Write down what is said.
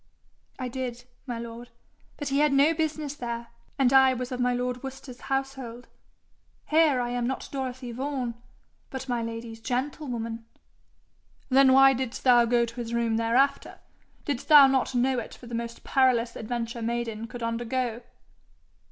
'I did, my lord; but he had no business there, and I was of my lord Worcester's household. Here I am not Dorothy Vaughan, but my lady's gentlewoman.' 'Then why didst thou go to his room thereafter? Didst thou not know it for the most perilous adventure maiden could undergo?'